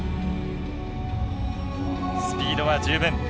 スピードは十分。